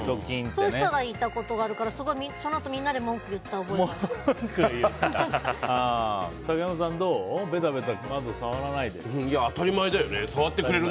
そういう人がいたことがあるからそのあと、みんなで文句を言った覚えがある。